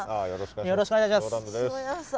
よろしくお願いします。